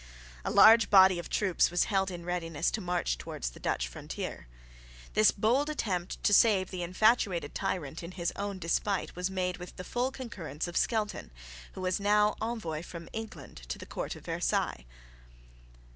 A large body of troops was held in readiness to march towards the Dutch frontier. This bold attempt to save the infatuated tyrant in his own despite was made with the full concurrence of Skelton, who was now Envoy from England to the court of Versailles.